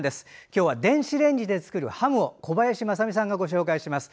今日は電子レンジで作るハムを小林まさみさんがご紹介します。